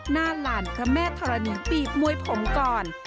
น่าหลั่นก็แม่ธรรณิปีบมวยผมก่อน